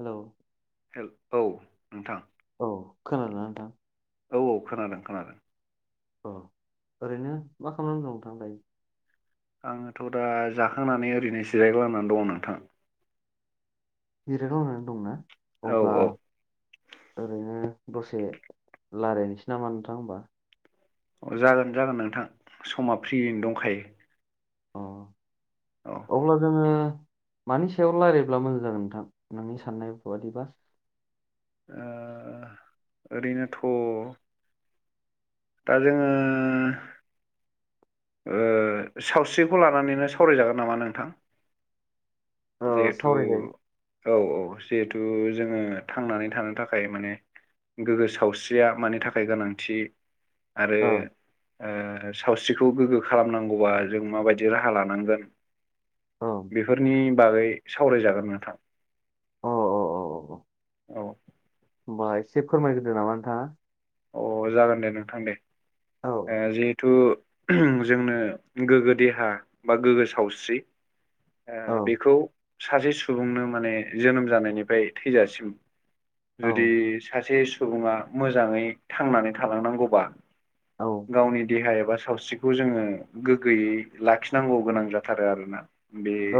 Hello [unintelligible] औ नोंथां। औ खोनादो ना नोंथां? औ औ खोनादों खोनादों। अ ओरैनो मा खालामनानै दं नोंथां दायो। आङोथ' दा जाखांनानै ओरैनो जिरायग्लांनानै दङ नोंथां। जिरायग्लांनानै दंना अब्ला औ ओरैनो दसे रायलायनोसै नामा नोंथां होमबा। अ जागोन जागोन नोंथां समा फ्रियैनो दंखायो। अ औ अब्ला जोङो। मानि सायाव लायरायब्ला मोजां जागोन नोंथां नोंनि साननाय बादि बा? ओ ओरैनोथ' दा जोङो ओ सावस्रिखौ लानानैनो सावरायजागोन नामा नोंथां ओ जिहेथु सावरायजायो औ औ जिहेथु जोङो थांनानै थानो थाखाय माने गोग्गो सावस्रिया मानि थाखाय गोनांथि आरो औ सावस्रिखौ गोग्गो खालामनांगौबा जों माबायदि राहा लानांगोन औ बेफोरनि बागै सावरायजागोन नोंथां अ अ औ औ औ होनोमबा एसे फोरमायग्रोदो नामा नोंथाङा अ जागोन दे नोंथां दे औ जिहेथु जोंनो गोग्गो देहा बा गोग्गो सावस्रि ओ औ बेखौ सासे सुबुंनो माने जोनोम जानायनिफ्राय थैजासिम जुदि औ सासे सुबुङा मोजाङै थांनानै थालांनांगौबा औ गावनि देहा एबा सावस्रि बे खौ जोङो गोग्गोयै लाखिनांगौ गोनां जाथारो आरोना बे औ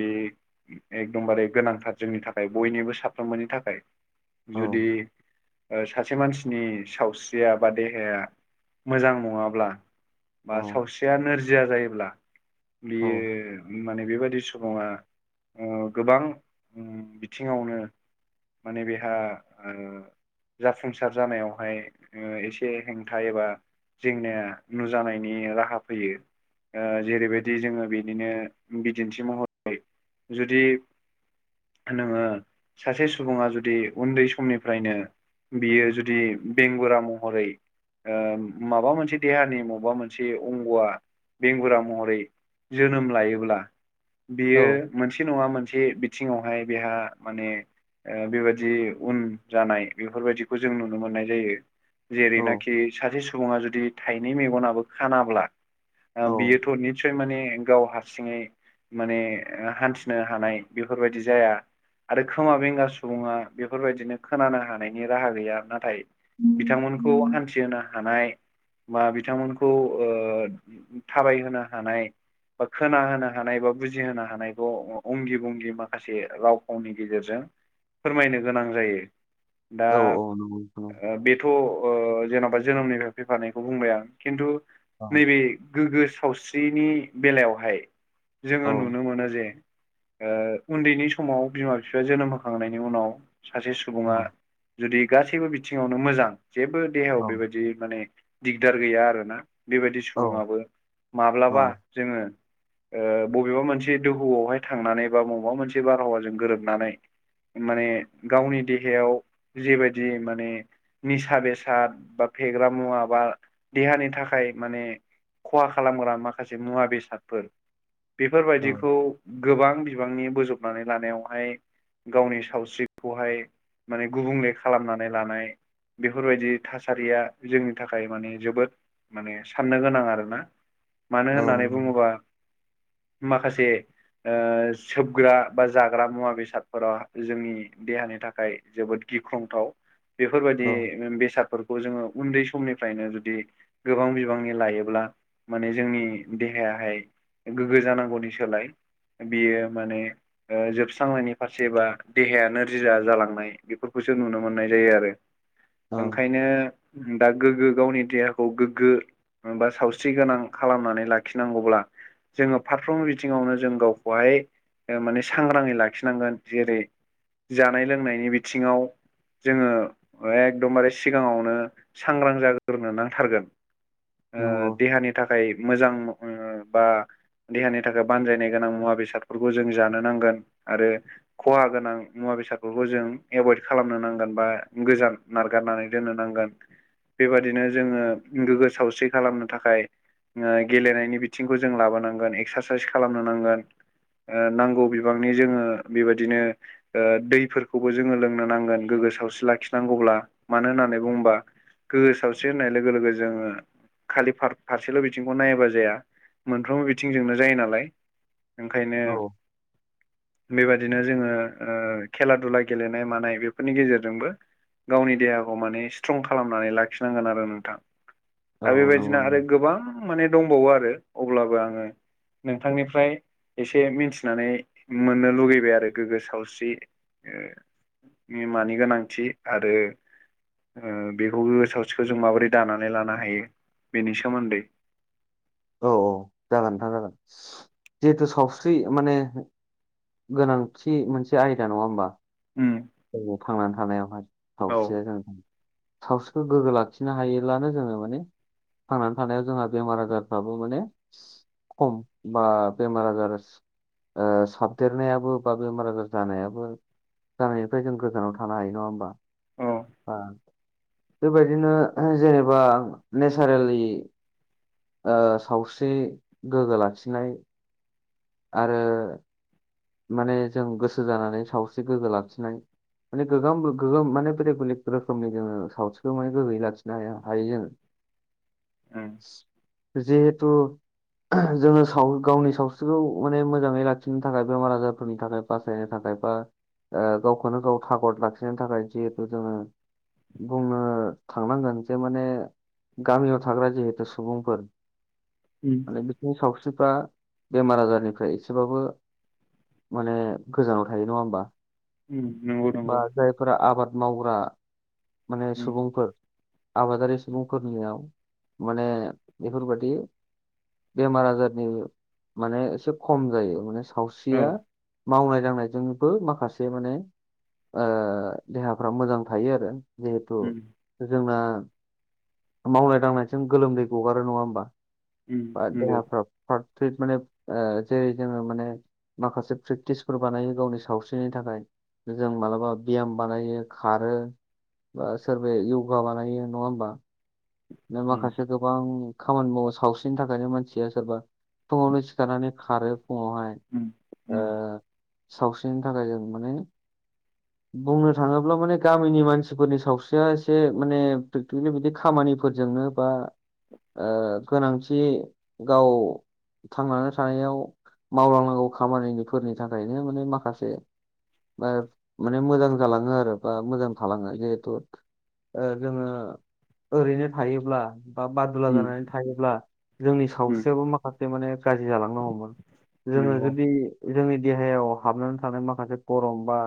बे एकदमबारे गोनांथार जोंनि थाखाय बयनिबो साफ्रोमबोनि थाखाय जुदि औ ओ सा से मानसिनि सावस्रिया बा देहाया मोजां नङाब्ला औ बा सावस्रिया नोरजिया जायोब्ला औ बियो माने बेबायदि सुबुङा गोबां बिथिङावनो माने बेहा ओ जाफुंसार जानायावहाय एसे हेंथा एबा जेंनाया नुजानायनि राहा फैयो ओ जेरैबायदि जोङो बेनिनो बिदिन्थि महरै जुदि नोङो सासे सुबुङा जुदि उन्दै समनिफ्रायनो बियो जुदि बेंगुरा महरै माबा मोनसे देहानि माबा मोनसे अंग'आ बेंगुरा महरै जोनोम लायोब्ला बियो मोनसे नङा मोनसे मोनसे बिथिङावहाय बेहा माने बेबायदि उन जानाय बेफोरबायदिखौ जों नुनो मोननाय जायो औ जेरैनाखि सासे सुबुङा जुदि थाइनै मेगनाबो खानाब्ला औ बियोथ' निस्सय माने गाव हारसिङै माने हान्थिनो हानाय बेफोरबायदि जाया आरो खोमा बेंगा सुबुङा बेफोरबायदिनो खोनानो हानायनि राहा गैया नाथाय बिथांमोनखौ हान्थिहोनो हानाय बा बिथांमोनखौ ओ थाबायहोनो हानाय बा खोना होनो हानाय बा बुजिहोनो हानाय हानायखौ अंगि बंगि माखासे राव फावनि गेजेरजों फोरमायनो गोनां जायो दा औ नंगौ नंगौ बे जेनेबा जोनोमनिफ्राय फैफानायखौ बुंबाय आं खिन्थु औ नैबे गोग्गो सावस्रिनि बेलायावहाय औ जोङो नुनो नुनो मोनो जे उन्दैनि समाव बिमा बिफाया जोनोम होखांनायनि उनाव सासे सुबुङा जुदि गासैबो बिथिङावनो मोजां जेबो औ देहायाव बेबायदि माने दिगदार गैया आरोना बेबायदि औ सुबुङाबो माब्लाबा औ जोङो ओ बबेबा मोनसे दोहौआवहाय थांनानै बा मबा मोनसे बारहावाजों गोरोबनानै माने गावनि देहायाव जेबायदि माने निसा बेसाद बा फेग्रा मुवा बा देहानि थाखाय माने खहा खालामग्रा माखासे मुवा बेसादफोर बेफोरबायदिखौ गोबां बिबांनि बोजबनानै लानायावहाय गावनि सावस्रिखौहाय माने गुबुंले खालामनानै लानाय बेफोरबायदि थासारिया जोंनि थाखाय माने जोबोद माने साननो गोनां आरोना मानो औ होननानै बुङोबा माखासे सोबग्रा बा जाग्रा मुवा बेसादफोराव जोंनि देहानि थाखाय जोबोद गिख्रंथाव बेफोरबायदि औ बेसाद फोरखौ जोङो उन्दै समनिफ्रायनो जुदि गोबां बिबांनि लायोब्ला माने जोंनि देहायाहाय गोग्गो जानांगौनि सोलाय बियो माने ओ जोबस्रांनायनि फारसे बा देहाया नोरजियाा जालांनाय बेफोरखौसो नुनो मोननाय जायो आरो। ओंखायनो दा गोग्गो गावनि देहाखौ गोग्गो बा सावस्रि गोनां खालामनानै लाखिनांगौब्ला जोङो फारफ्रोमबो बि थिङावनो जों गावखौहाय माने सांग्राङै लाखिनांगोन। जेरै जानाय लोंनायनि बिथिङाव जोङो एकदमबारे सिगाङावनो सांग्रां जाग्रोनो नांथारगोन। ओ नंगौ देहानि थाखाय मोजां उम बा देहानि नि थाखाय बानजायनाय गोनां मुवा बेसादफोरखौ जों जानो नांगोन। आरो खहा गोनां मुवा बेसादफोरखौ जों एभयड खालामनो नांगोन, बा गोजान नारगारनानै दोननो नांगोन बेबादिनो जोङो गोग्गो सावस्रि खालामनो थाखाय गेलेनायनि बिथिंखौ जों लाबोनांगोन एक्सारसाइस खालामनो नांगोन। ओ नांगौ बिबांनि जोङो बेबादिनो ओ दैफोरखौबो जोङो लोंनो नांगोन गोग्गो सावस्रि लाखिनांगौब्ला मानो होननानै बुङोबा गोग्गो सावस्रि होननाय लोगो लोगो जोङो खालि फार-फारसेल' बिथिंखौ नायोबा जाया मोनफ्रोमबो बि थिंजोंनो जायो नालाय ओंखायनो [inaudible] बेबादिनो ओ जोङो खेला दुला गेलेनाय मानाय बेफोरनि गेजेरजोंबो गावनि देहाखौ माने स्ट्रं खालामनानै लाखिनांगोन आरो नोंथां। दा औ नंगौ बेबादिनो आरो नंगौ गोबां माने दंबावो आरो अब्लाबो आङो नोंथांनिफ्राय एसे मिथिनानै मोननो लुगैबाय आरो गोग्गो सावस्रि ओ बिमानि गोनांथि आरो ओ बेखौ गोगो सावस्रिखौ जों माबोरै दानानै लानो हायो। बेनि सोमोन्दै औ औ जागोन नोंथां जागोन। जिहेथु सावस्रि माने गोनांथि मोनसे आयदा नङा होमबा। उम। जोंनो थांनानै थानायावहाय औ सावस्रिया जों सावस्रिखो गोग्गो लाखिनो हायोब्लानो जोङो माने थांनानै थानायाव जोंहा बेमार आजारफ्राबो माने खम बा बेमार आजार ओ साबदेरनायाबो बा बेमार आजार जानायाबो जानायनिफ्राय जों गोजानाव थानो हायो नङा होमबा। औ बा बेबायदिनो जेनेबा नेचारेलि ओ सावस्रि गोग्गो लाखिनाय आरो माने जों गोसो जानानै सावस्रि गोग्गो लाखिनाय। माने गोगोम गोगोम माने बेलेग बेलेग रोखोमनि जोङो सावस्रिखौ माने गोगगोयै लाखिनो हाया। हायो जानो? उम [unintelligible] जेहेतु जोङो गावनि सावस्रिखौ माने मोजाङै लाखिनो थाखाय बेमार आजारफोरनि थाखाय बासायनो थाखाय बा ओ गावखौनो गाव थागद लाखिनायनि थाखाय जिहेथु जोङो बुंनो थांनांगोन जे माने गामियाव थाग्रा जिहेतु सुबुंफोर उम माने बिसोरनि सावस्रिफ्रा बेमार आजारनिफ्राय एसेबाबो माने गोजानाव थायो नङा ओमबा उम नंगौ बा नंगौ जायफोरा आबाद मावग्रा माने उम सुबुंफोर आबादारि सुबुंफोरनियाव माने बेफोरबादि बेमार आजारनि माने इसे खम जायो माने औ सावस्रिया मावनाय दांनायजोंबो माखासे माने ओ देहाफ्रा मोजां थायो आरो जिहेथु उम जोंना मावनाय दांनायजों गोलोमदै गगारो नङा ओमबा? उम बा नंगौ देहाफ्रा फ्राद फ्रित माने ओ जेरै जोङो माने माखासे प्रेक्टिसफोर बानायो गावनि सावस्रिनि थाखाय जों मालाबा बियाम बानायो खारो। ओ सोरबाया यगा बनायो नङा ओमबा? दा उम माखासे गोबां खामानि मावो सावस्रिनि थाखायनो मानसिया सोरबा फुङावनो सिखारनानै खारो फुङावहाय। उम ओ उम सावस्रिनि थाखाय जों माने बुंनो थाङोब्ला माने गामिनि मानसिफोरनि सावस्रिया एसे माने प्रेकटिकेलि बिदि खामानि फोरजोंनो बा ओ गोनांथि गाव थांनानै थानायाव मावलांनांगौ खामानिफोरनि थाखायनो माने माखासे ओब माने मोजां जालाङो आरो बा मोजां थालाङो जिहेतु ओ जोङो ओरैनो थायोब्ला बा बादुला उम जानानै थायोब्ला जोंनि उम सावस्रियाबो मा खासे माने गाज्रि जालांनो हमो जोङो नंगौ जुदि जोंनि देहायाव हाबनानै थानाय माखासे गरम बा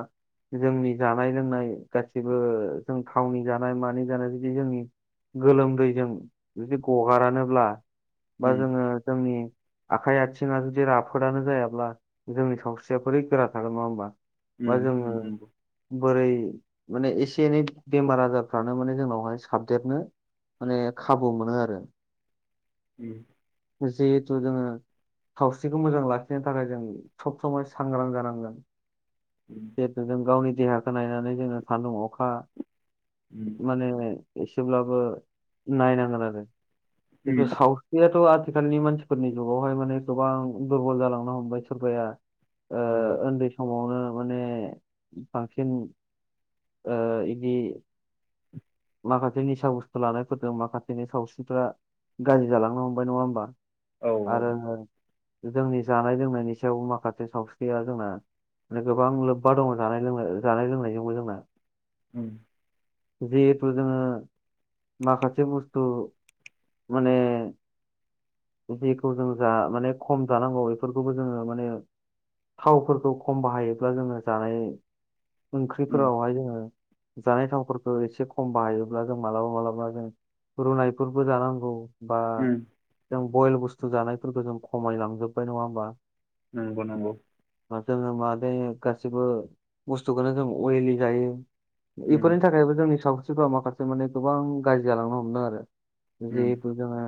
जोंनि जानाय लोंनाय गासिबो जों थावनि जानाय मानि जानाय जुदि जोंनि गोलोमदैजों जुदि गगारानोब्ला बा उम जोङो जोंनि आखाइ आथिङा जुदि राफोदानो जायाब्ला जोंनि सावस्रिया बोरै गोरा थागोन नङा ओमबा? बा उम जोङो उम नंगौ बोरै माने एसे एनै बेमार आजारफ्रानो माने जोंनावहाय साबदेरनो माने खाबु मोनो आरो उम जिहेथु जोङो सावस्रिखौ मोजां लाखिनो थाखाय जों सब समाय सांग्रां जानांगोन। उम जिहेतु जों गावनि देहाखौ नायनानै जोङो सान्दुं अखा उम। माने एसेब्लाबो नायनांगोन आरो उम खिन्थु साव जिहेतु आथिखालनि मानसिफोरनि जुगावहाय माने गोबां दुरबल जालांनो हमबाय सोरबाया। ओ नंगौ ओन्दै समावनो माने बांसिन ओ इदि माखासे निसा बुस्थु लानायफोरजों माखासेनि सावस्रिफ्रा गाज्रि जालांनो हमबाय नङा ओमबा? औ औ आरो जोंनि जानाय लोंनायनि सायावबो माखासे सावस्रिया जोंना माने गोबां लोब्बा दङ जानाय लोंनाय जानाय लोंनायजोंबो जोंना। उम। जिहेथु जोङो माखासे बुस्थु माने जेखौ जों जा माने खम जानांगौ बेफोरखौबो जोङो माने थावफोरखौ खम बाहायोब्ला जोङो जानाय उम ओंख्रिफोरावहाय जोङो जानाय थावफोर खो एसे खम बाहायोब्ला जों मालाबा मालाबा जों रुनायफोरबो जानांगौ। बा उम जों बयल बुस्थु जानायफोरखौ जों खमायलांजोबबाय नङा ओमबा? नंगौ नंगौ। जोंङो माजायो गासिबो बुस्थुखौनो जों अइलि जायो उम इफोरनि थाखायबो जोंनि सावस्रिफ्रा माखासे माने गोबां गाज्रि जालांनो हमदों। आरो उम जेहेतु जोङो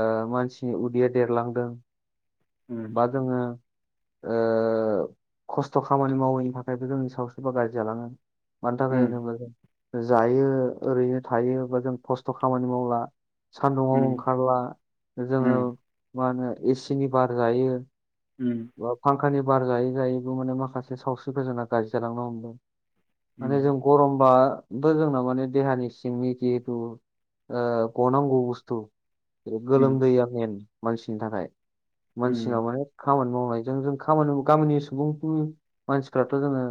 ओ मानसिनि उदैया देरलांदों उम बा जोङो ओ खस्थ' खामानि मावैनि थाखायबो जोंनि सावस्रिफा गाज्रि जालाङो मानि थाखाय उम होनोब्ला जों जायो ओरैनो थायो, बा जों खस्थ' खामानि मावला, उम सान्दुंआव ओंखारला उम जोङो मा होनो एसिनि बार जायो उम बा फांखानि बार जायै जायैबो माने माखासे सावस्रिफोर जोंना गाज्रि जालांनो हमदों। माने उम जों गरमबाथ' जोंना माने देहानि सिंनि जेहेथु औ गनांगौ बुसथु ओ उम गोलोमदैया मेन मानसिनि थाखाय मानसिना माने खामानि मावनायजों जों खामानि माव गामिनि सुबुंफोर मानसिफ्राथ' जोङो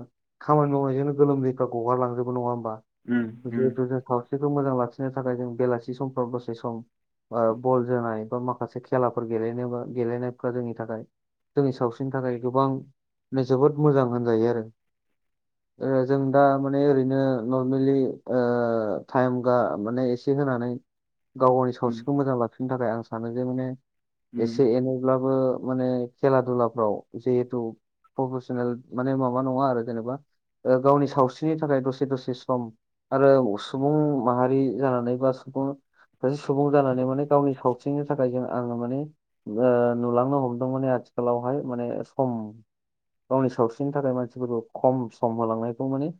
खामानि मावनायजोंनो गोलोमदैफ्रा गगारलांजोबो नङा होमबा उम [unintelligible] खौ मोजां लाखिनो थाखाय जों बेलासि समफ्राव दसे सम ओ बल जोनानै बा माखासे खेलाफोर गेलेनोबा गेलेनायफ्रा जोंनि थाखाय जोंनि सावस्रिनि थाखाय गोबां जोबोद मोजां होनजायो आरो ओ जों दा माने ओरैनो नर्मेलि ओ टाइम गा माने एसे होनानै गाव गावनि उम उम सावस्रिखौ मोजां लाखिनो थाखाय आं सानो जे माने उम एसे एनैब्लाबो माने खेला दुलाफ्राव जेहेतु प्रफेसनेल माने माबा नङा आरो जेनेबा ओ गावनि सावस्रिनि थाखाय दसे दसे सम आरो सुबुं माहारि जानानै बा सुबुं सासे सुबुं जानानै माने गावनि सावस्रिनि थाखाय जों आङो माने ओ नुलांनो हमदों माने आ आथिखालावहाय माने सम गावनि सावस्रिनि थाखाय मानसिफोरखौ खम सम होलांनायखौ माने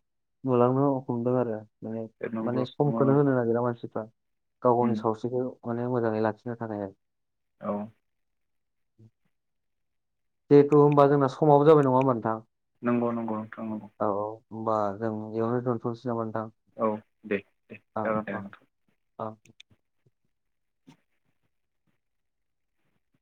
नुलांनो हमदों आरो ओ नंगौ नंगौ माने नोंथां समखोनो होनो नागिरा मानसिफ्रा गाव गावनि उम सावस्रिखौ अनेक मोजाङै लाखिनो थाखाय औ जेहेटु होमबा जोंना समावबो जाबाय नङाओमबा नोंथां नंगौ नंगौ नोंथां नंगौ औ औ होमबा जों बेयावनो दोन्थ'नोसै नामा नोंथां? औ दे दे औ जागोन दे नोंथां औ।